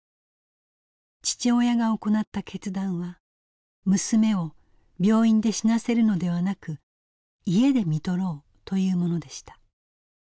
父親が行った決断は娘を病院で死なせるのではなく家で看取ろうというものでした。